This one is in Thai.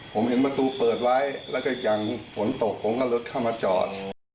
ผมเห็นประตูเปิดไว้แล้วก็อย่างฝนตกผมก็รถเข้ามาจอด